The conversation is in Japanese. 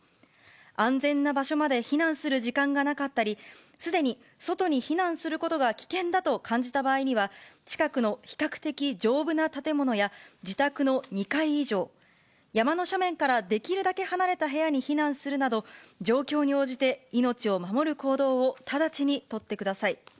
安全な場所まで避難する時間がなかったり、すでに外に避難することが危険だと感じた場合には、近くの比較的丈夫な建物や、自宅の２階以上、山の斜面からできるだけ離れた部屋に避難するなど、状況に応じて命を守る行動を直ちに取ってください。